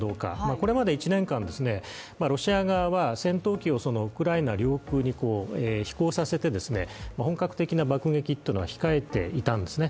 これまで１年間、ロシア側は戦闘機をウクライナ領空に飛行させて本格的な爆撃は控えていたんですね。